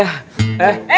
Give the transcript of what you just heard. eh pak d